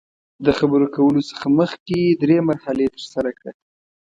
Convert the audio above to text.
د خبرو کولو څخه مخکې درې مرحلې ترسره کړه.